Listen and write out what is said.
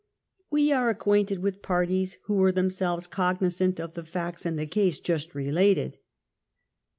We are acquainted with parties who w^ere themselves cognizant of the facts in the case just related.